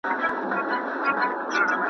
لکه ګل هره شپه څاڅکی د شبنم خورم